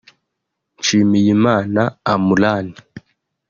Nshmiyimana Amran